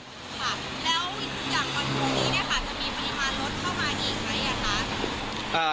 ค่ะแล้วอย่างวันพรุ่งนี้เนี่ยค่ะจะมีปริมาณรถเข้ามาอีกไหมคะ